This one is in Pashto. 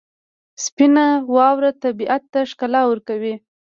سپینه واوره طبیعت ته ښکلا ورکوي.